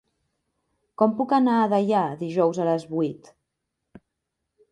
Com puc anar a Deià dijous a les vuit?